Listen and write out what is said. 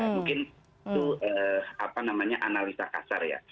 mungkin itu analisa kasar ya